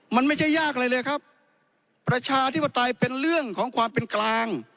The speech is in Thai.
มันไม่ใช่ยากอะไรเลยครับประชาธิปไตยเป็นเรื่องของความเป็นกลาง